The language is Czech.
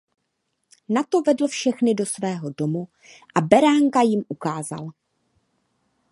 Nato vedl všechny do svého domu a beránka jim ukázal.